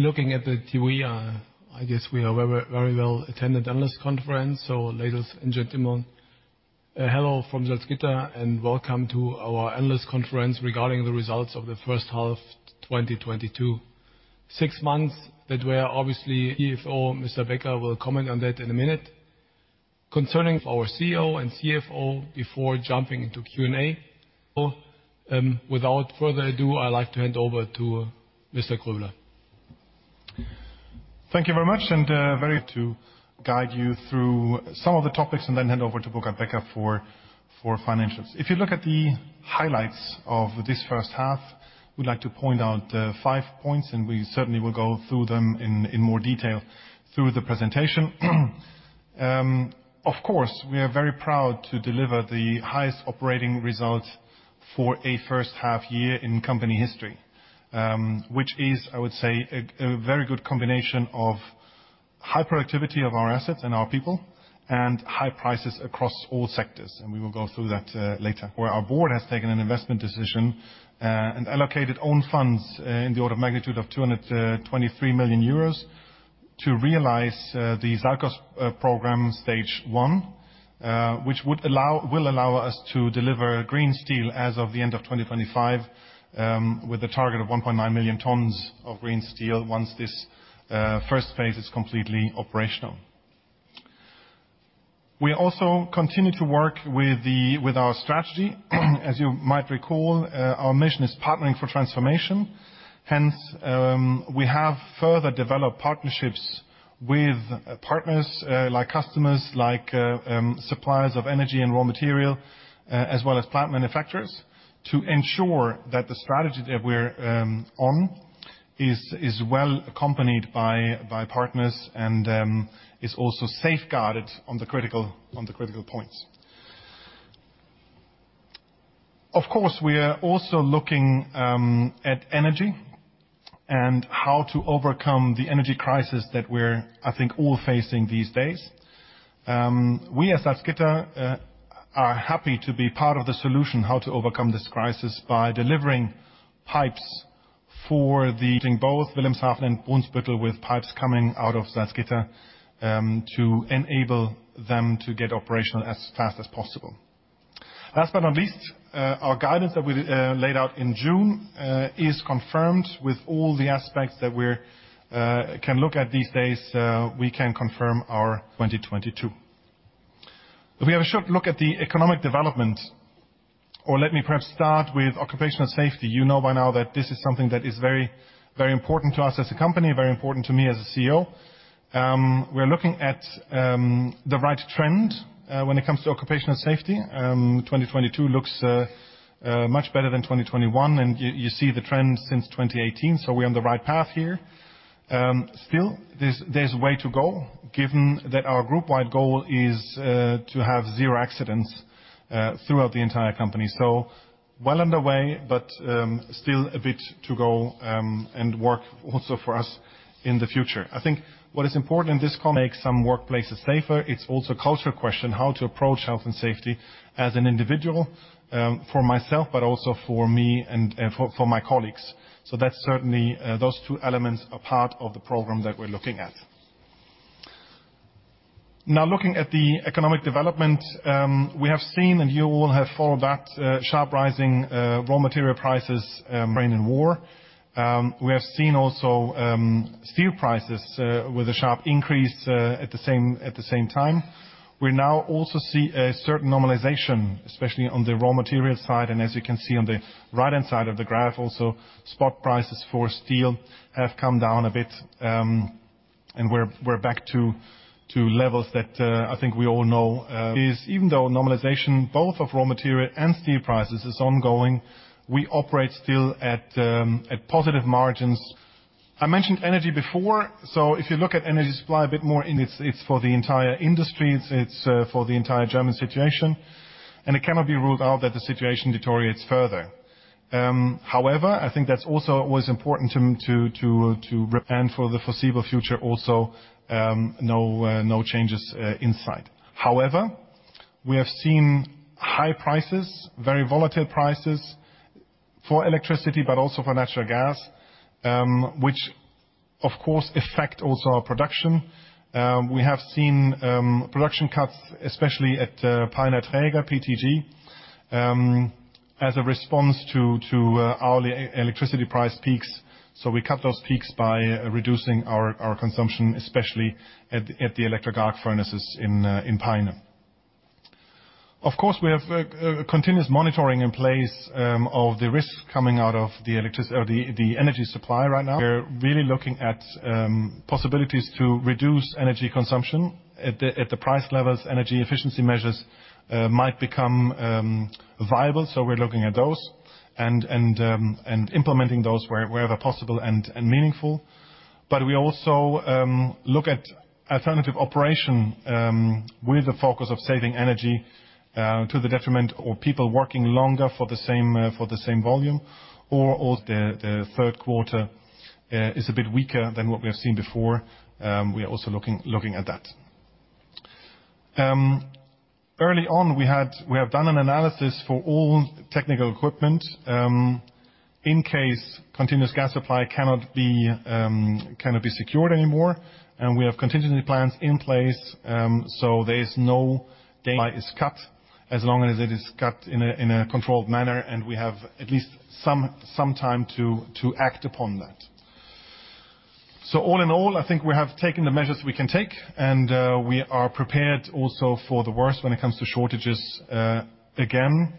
Looking at the TV, I guess we are very, very well attended analyst conference. Ladies and gentlemen, hello from Salzgitter and welcome to our analyst conference regarding the results of the first half 2022. Six months that were obviously. CFO, Mr. Becker, will comment on that in a minute. Concerning our CEO and CFO before jumping into Q&A. Without further ado, I'd like to hand over to Mr. Groebler. Thank you very much, and to guide you through some of the topics and then hand over to Burkhard Becker for financials. If you look at the highlights of this first half, we'd like to point out five points, and we certainly will go through them in more detail through the presentation. Of course, we are very proud to deliver the highest operating result for a first half year in company history, which is, I would say, a very good combination of high productivity of our assets and our people and high prices across all sectors, and we will go through that later. Where our board has taken an investment decision and allocated own funds in the order of magnitude of 223 million euros to realize the SALCOS program stage one, which will allow us to deliver green steel as of the end of 2025 with a target of 1.9 million tons of green steel once this first phase is completely operational. We also continue to work with our strategy. As you might recall, our mission is partnering for transformation. Hence, we have further developed partnerships with partners like customers, like suppliers of energy and raw material as well as plant manufacturers to ensure that the strategy that we're on is well accompanied by partners and is also safeguarded on the critical points. Of course, we are also looking at energy and how to overcome the energy crisis that we're, I think, all facing these days. We at Salzgitter are happy to be part of the solution how to overcome this crisis by delivering pipes for both Wilhelmshaven and Brunsbüttel with pipes coming out of Salzgitter to enable them to get operational as fast as possible. Last but not least, our guidance that we laid out in June is confirmed. With all the aspects that we can look at these days, we can confirm our 2022. If we have a short look at the economic development, or let me perhaps start with occupational safety. You know by now that this is something that is very, very important to us as a company, very important to me as a CEO. We are looking at the right trend when it comes to occupational safety. 2022 looks much better than 2021, and you see the trend since 2018, so we're on the right path here. Still, there's way to go given that our group-wide goal is to have zero accidents throughout the entire company. Well underway, but still a bit to go, and work also for us in the future. I think what is important is to make some workplaces safer. It's also a culture question, how to approach health and safety as an individual, for myself, but also for me and for my colleagues. That's certainly those two elements are part of the program that we're looking at. Now, looking at the economic development, we have seen, and you all have followed that, sharp rising raw material prices, Ukraine war. We have seen also steel prices with a sharp increase at the same time. We now also see a certain normalization, especially on the raw material side, and as you can see on the right-hand side of the graph also, spot prices for steel have come down a bit, and we're back to levels that I think we all know. Even though normalization both of raw material and steel prices is ongoing, we operate still at positive margins. I mentioned energy before. If you look at energy supply a bit more, it's for the entire industry, it's for the entire German situation, and it cannot be ruled out that the situation deteriorates further. However, I think that's also what is important to. For the foreseeable future also, no changes in sight. However, we have seen high prices, very volatile prices for electricity, but also for natural gas, which of course affect also our production. We have seen production cuts, especially at Peiner Träger, PTG, as a response to hourly electricity price peaks. We cut those peaks by reducing our consumption, especially at the electric arc furnaces in Peine. Of course, we have continuous monitoring in place of the risk coming out of the energy supply right now. We're really looking at possibilities to reduce energy consumption. At the price levels, energy efficiency measures might become viable, so we're looking at those and implementing those wherever possible and meaningful. We also look at alternative operation with the focus of saving energy to the detriment of people working longer for the same volume or the third quarter is a bit weaker than what we have seen before. We are also looking at that. Early on we have done an analysis for all technical equipment in case continuous gas supply cannot be secured anymore. We have contingency plans in place, so there is no danger if cut as long as it is cut in a controlled manner, and we have at least some time to act upon that. All in all, I think we have taken the measures we can take, and we are prepared also for the worst when it comes to shortages again.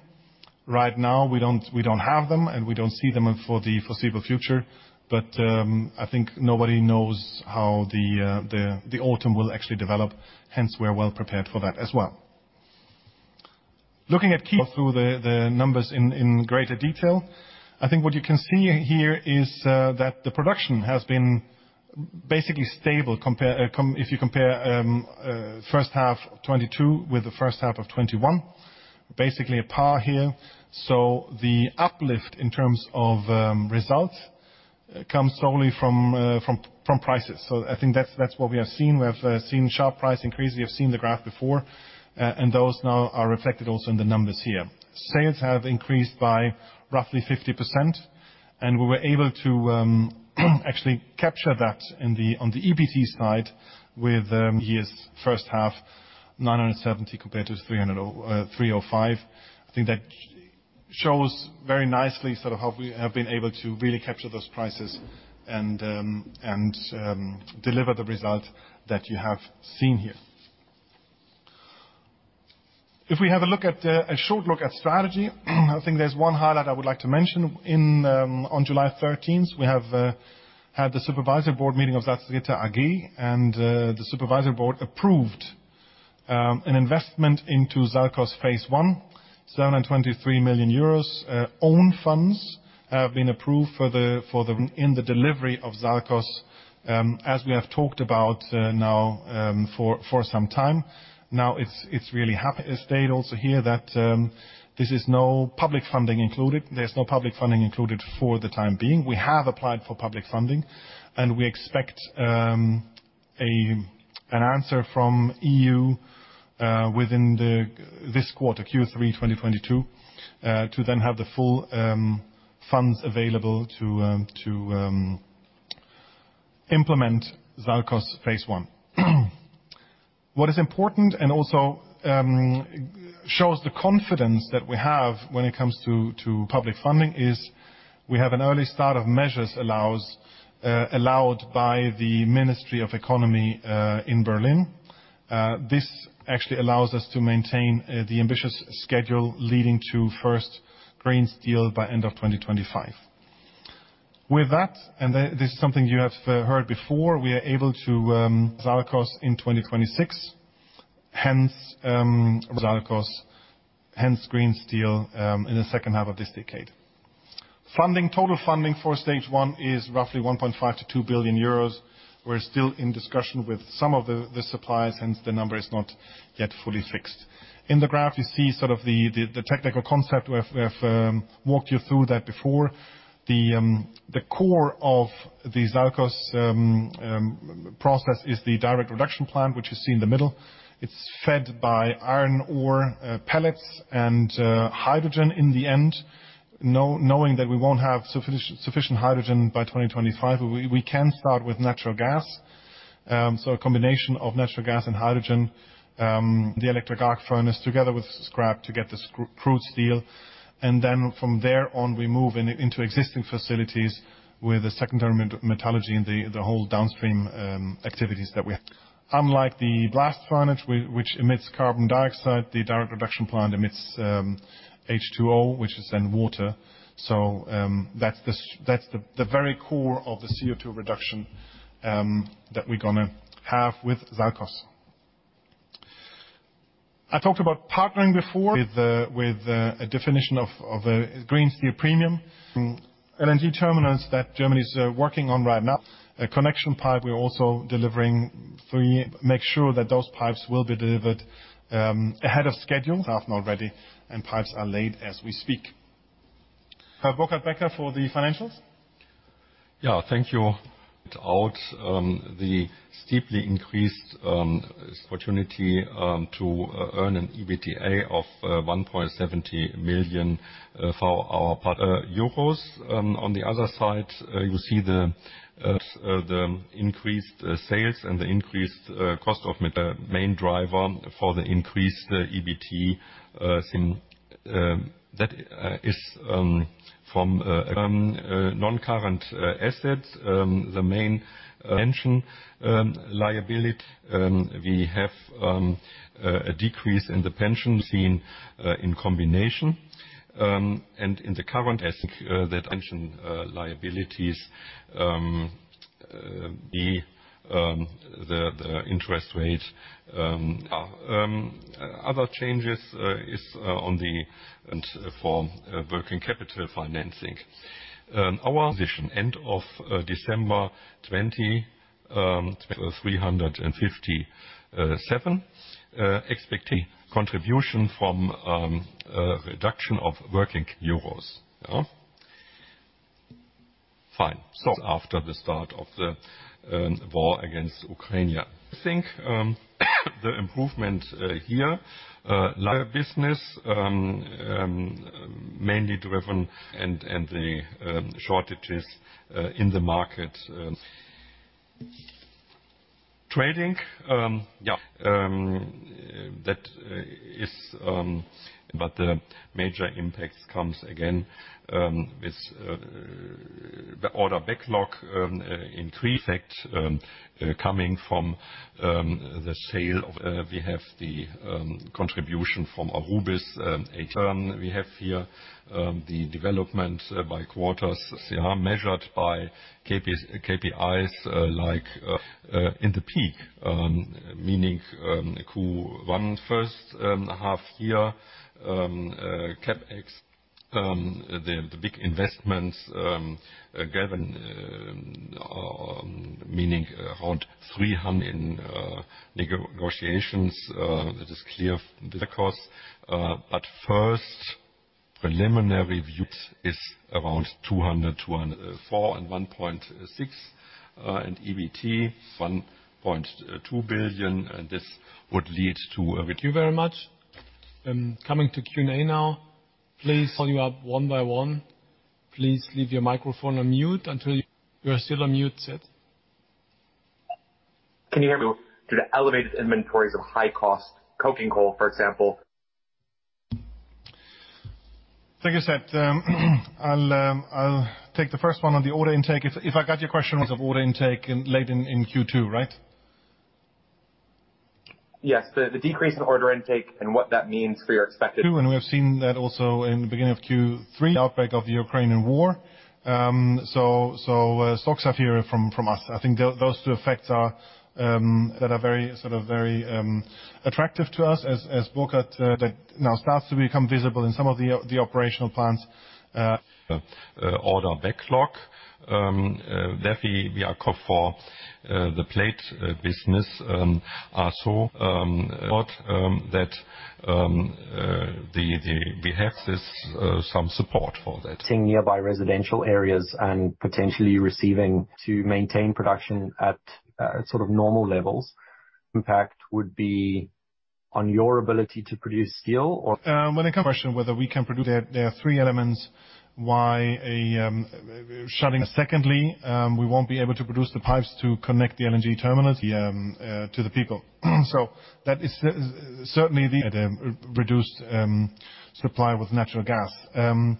Right now, we don't have them, and we don't see them for the foreseeable future. I think nobody knows how the autumn will actually develop. Hence, we're well-prepared for that as well. Looking ahead, we'll go through the numbers in greater detail. I think what you can see here is that the production has been basically stable if you compare first half 2022 with the first half of 2021. Basically on par here. The uplift in terms of results comes solely from prices. I think that's what we have seen. We have seen sharp price increases. You've seen the graph before. Those now are reflected also in the numbers here. Sales have increased by roughly 50%, and we were able to actually capture that on the EBT side with year's first half 970 compared to 305. I think that shows very nicely sort of how we have been able to really capture those prices and deliver the result that you have seen here. If we have a look at strategy, I think there's one highlight I would like to mention. On July 13th, we had the Supervisory Board meeting of Salzgitter AG, and the Supervisory Board approved an investment into SALCOS phase one, 727 million euros. Own funds have been approved for the delivery of SALCOS, as we have talked about now for some time. Now it's really happened. It was also stated here that there is no public funding included. There's no public funding included for the time being. We have applied for public funding, and we expect an answer from EU within this quarter, Q3 in 2022, to then have the full funds available to implement SALCOS phase I. What is important and also shows the confidence that we have when it comes to public funding is we have an early start of measures allowed by the Federal Ministry for Economic Affairs and Climate Action in Berlin. This actually allows us to maintain the ambitious schedule leading to first green steel by end of 2025. With that, and this is something you have heard before, we are able to SALCOS in 2026. Hence, SALCOS, hence green steel in the second half of this decade. Total funding for stage one is roughly 1.5 billion-2 billion euros. We're still in discussion with some of the suppliers, hence the number is not yet fully fixed. In the graph, you see sort of the technical concept. We have walked you through that before. The core of the SALCOS process is the direct reduction plant, which you see in the middle. It's fed by iron ore, pellets and hydrogen in the end. Knowing that we won't have sufficient hydrogen by 2025, we can start with natural gas. A combination of natural gas and hydrogen, the electric arc furnace together with scrap to get this crude steel. From there on, we move into existing facilities with the secondary metallurgy and the whole downstream activities that we have. Unlike the blast furnace which emits carbon dioxide, the direct reduction plant emits H2O, which is then water. That's the very core of the CO2 reduction that we're gonna have with SALCOS. I talked about partnering before with a definition of green steel premium. LNG terminals that Germany is working on right now. A connection pipe we're also delivering for you. Make sure that those pipes will be delivered ahead of schedule. Staff not ready, and pipes are laid as we speak. Burkhard Becker for the financials. Yeah, thank you. Without the steeply increased opportunity to earn an EBITDA of 170 million euros. On the other side, you see the increased sales and the increased cost of materials, main driver for the increased EBT in that is from non-current assets. The main pension liability. We have a decrease in the pension provision in combination. In the current asset that pension liabilities, the interest rates and other changes is on the one hand for working capital financing. Our position end of December 2023, 357 expecting contribution from reduction of working capital EUR. Yeah. Fine. After the start of the war against Ukraine, I think the improvement here, like business, mainly driven and the shortages in the market trading. Yeah. The major impact comes again with the order backlog in three effects coming from the sale of. We have the contribution from Aurubis. We have here the development by quarters. They are measured by KPIs like in the peak meaning Q1 first half year CapEx the big investments given meaning around 300. Negotiations, it is clear. The cost at first preliminary views is around 240 and 1.6, and EBT 1.2 billion, and this would lead to. Thank you very much. Coming to Q&A now, please call you up one by one. Please leave your microphone on mute until you. You're still on mute, Seth. Can you hear me? Due to the elevated inventories of high-cost coking coal, for example. Thank you, Seth. I'll take the first one on the order intake. If I got your question on order intake in late Q2, right? Yes. The decrease in order intake and what that means for your expected- Q2, we have seen that also in the beginning of Q3. Outbreak of the Ukrainian War. Stocks are higher for us. I think those two effects are very, sort of very attractive to us as Burkhard. That now starts to become visible in some of the operational plans. Order backlog. That we are for the plate business. That we have this some support for that. Seeing nearby residential areas and potentially receiving. To maintain production at sort of normal levels. Impact would be on your ability to produce steel or. When it comes to the question whether we can produce there are three elements why a shortage. Secondly, we won't be able to produce the pipes to connect the LNG terminals to the pipeline. That is certainly at a reduced supply of natural gas.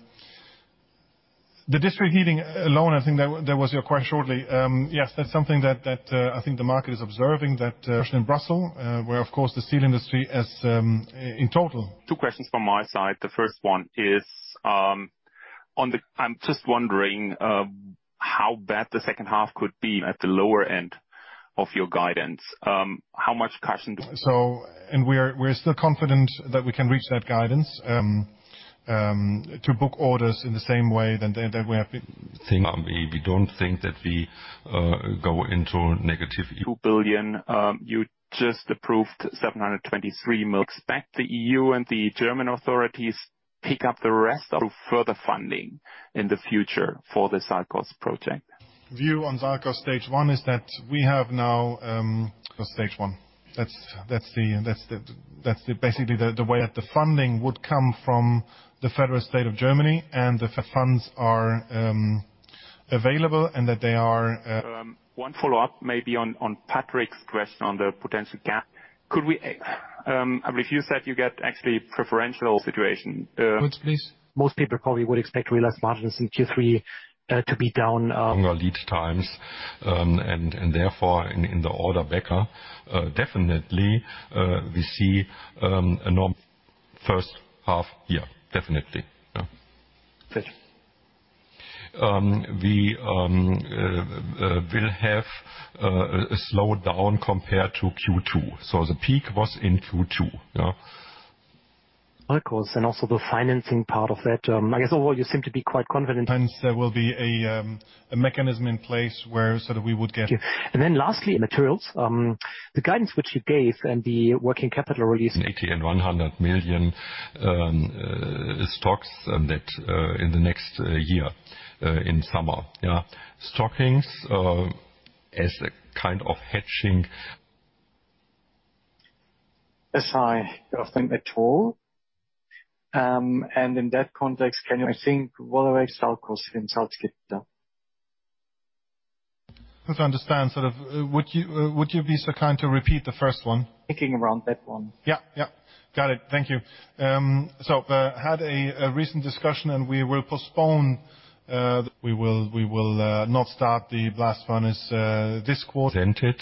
The district heating alone, I think that was your question shortly. Yes, that's something that I think the market is observing. The question in Brussels, where, of course, the steel industry as a whole. Two questions from my side. The first one is, I'm just wondering how bad the second half could be at the lower end of your guidance. How much caution do you- We're still confident that we can reach that guidance to book orders in the same way that we have been. We don't think that we go into negative. 2 billion, you just approved 723 million. Expect the EU and the German authorities pick up the rest of further funding in the future for the SALCOS project. View on SALCOS stage one is that we have now. For stage one. That's basically the way that the funding would come from the federal state of Germany, and the funds are available and that they are. One follow-up maybe on Seth's question on the potential. Could we, if you said you get actually preferential situation. Once, please. Most people probably would expect realized margins in Q3 to be down. Longer lead times and therefore in the order backlog. Definitely, we see a normal first half year. Definitely. Yeah. Thank you. We will have a slowdown compared to Q2, so the peak was in Q2. SALCOS and also the financing part of that. I guess overall, you seem to be quite confident. Hence, there will be a mechanism in place where sort of we would get. Thank you. Lastly, materials. The guidance which you gave and the working capital release. 80 and 100 million stocks that in the next year in summer. Yeah. Stocks as a kind of hedging. SI, I think at all. In that context, can you, I think, Walravens SALCOS in Salzgitter. Just to understand, sort of, would you be so kind to repeat the first one? Thinking around that one. Yeah. Got it. Thank you. Had a recent discussion, and we will postpone. We will not start the blast furnace this quarter. Presented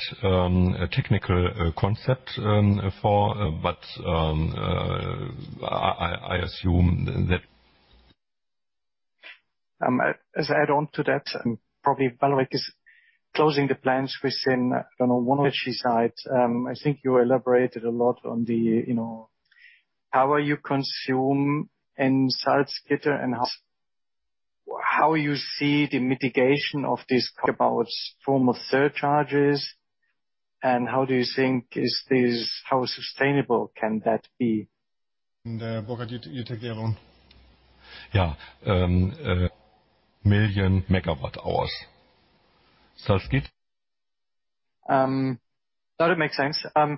a technical concept for. I assume that. As I add on to that, probably Alain Walravens is closing the plans within, I don't know, one or two. Energy side, I think you elaborated a lot on the, you know, how you consume in Salzgitter and how you see the mitigation of this. Talk about form of surcharges, and how do you think is this, how sustainable can that be? Burkhard, you take the other one. Yeah. Million megawatt hours. Salzgitter. That makes sense. In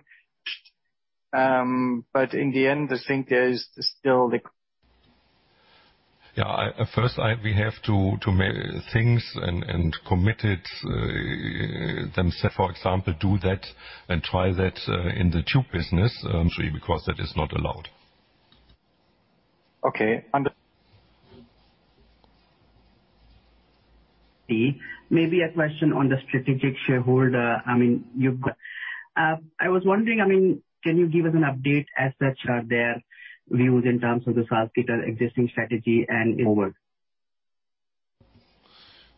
the end, I think there is still the. Yeah. At first, we have to make things and commit to them, for example, do that and try that in the tube business. Third, because that is not allowed. Okay. Maybe a question on the strategic shareholder. I mean, I was wondering, I mean, can you give us an update as such? Are there views in terms of the Salzgitter existing strategy and forward?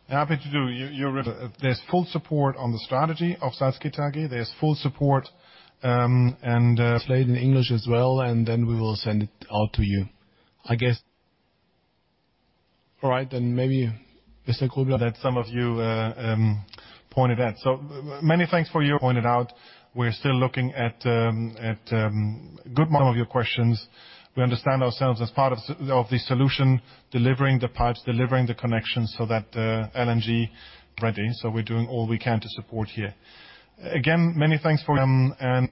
Happy to do. There's full support on the strategy of Salzgitter AG. There's full support, and. Translated in English as well, and then we will send it out to you. I guess. All right. Maybe Mr. Groebler. That some of you pointed at. Many thanks for your. Pointed out, we're still looking at. Some of your questions. We understand ourselves as part of the solution, delivering the pipes, delivering the connections so that LNG. Ready. We're doing all we can to support here. Again, many thanks for. And